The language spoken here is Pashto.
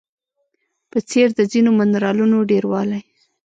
په څېر د ځینو منرالونو ډیروالی